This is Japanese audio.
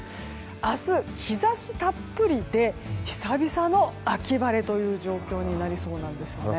明日、日差したっぷりで久々の秋晴れという状況になりそうなんですよね。